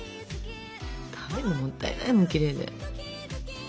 食べるのもったいないもんきれいで。